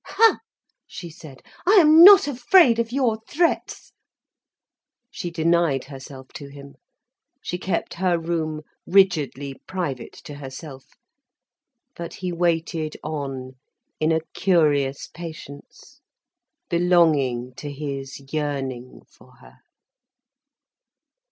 "Ha!" she said. "I am not afraid of your threats!" She denied herself to him, she kept her room rigidly private to herself. But he waited on, in a curious patience, belonging to his yearning for her.